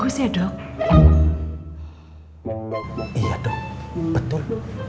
iya dok betul